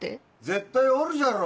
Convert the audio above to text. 絶対おるじゃろ！